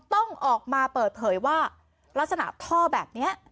ต้องออกมาเปิดเผยว่าลักษณะท่อแบบนี้